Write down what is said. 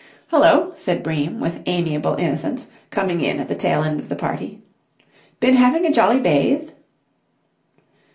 "Hullo!" said Bream, with amiable innocence, coming in at the tail end of the party. "Been having a jolly bathe?"